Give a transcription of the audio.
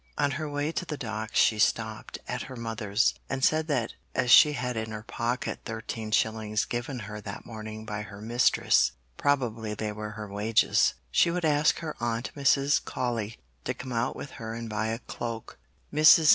On her way to the Docks she stopped at her mother's, and said that as she had in her pocket thirteen shillings given her that morning by her mistress probably they were her wages she would ask her aunt Mrs. Colley to come out with her and buy a cloak. Mrs.